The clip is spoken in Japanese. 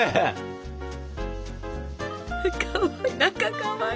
かわいい。